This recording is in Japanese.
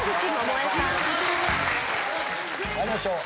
参りましょう。